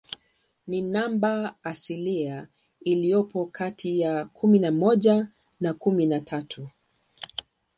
Ni namba asilia iliyopo kati ya kumi na moja na kumi na tatu.